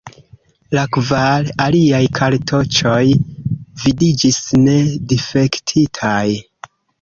La kvar aliaj kartoĉoj vidiĝis ne difektitaj.